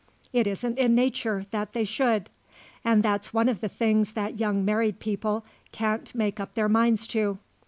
It isn't in nature that they should, and that's one of the things that young married people can't make up their minds to.